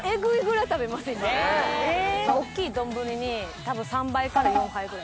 大っきい丼に多分３杯から４杯ぐらい。